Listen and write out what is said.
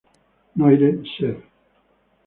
Noire", ser.